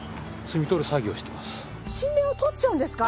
新芽を取っちゃうんですか？